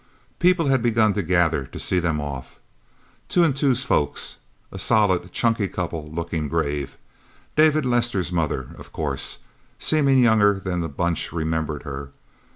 People had begun to gather, to see them off. Two and Two's folks, a solid, chunky couple, looking grave. David Lester's mother, of course, seeming younger than the Bunch remembered her.